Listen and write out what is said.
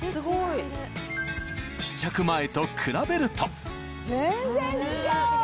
試着前と比べると全然違う！